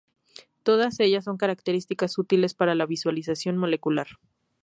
Todas ellas son características útiles para la visualización molecular.